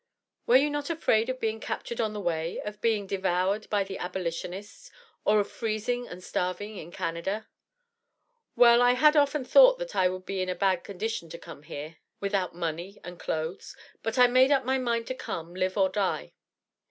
"Were you not afraid of being captured on the way, of being devoured by the abolitionists, or of freezing and starving in Canada?" "Well, I had often thought that I would be in a bad condition to come here, without money and clothes, but I made up my mind to come, live or die."